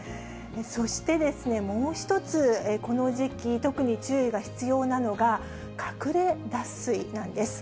そしてもう一つ、この時期、特に注意が必要なのが、隠れ脱水なんです。